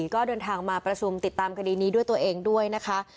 ก็เดินทางมาประชุมติดตามคดีนี้ด้วยตัวเองด้วยนะคะ